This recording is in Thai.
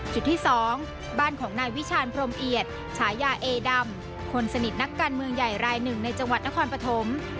จุดที่๒บ้านของนายวิชาณพรมเอียดฉายาเอดำคนสนิทนักการเมืองใหญ่รายหนึ่งในจังหวัดนครปฐม